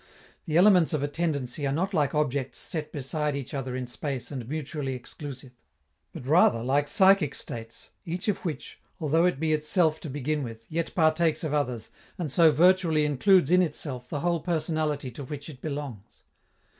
The elements of a tendency are not like objects set beside each other in space and mutually exclusive, but rather like psychic states, each of which, although it be itself to begin with, yet partakes of others, and so virtually includes in itself the whole personality to which it belongs.